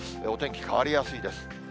お天気変わりやすいです。